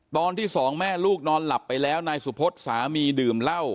ตอนที่สองแม่ลูกนอนหลับไปแล้วนายสุพศสามีดื่มเหล้า